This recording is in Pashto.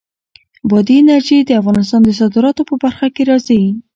بادي انرژي د افغانستان د صادراتو په برخه کې راځي.